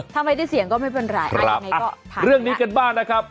ถ้าไม่ได้เสี่ยงก็ไม่เป็นไรเรื่องนี้กันบ้างนะครับ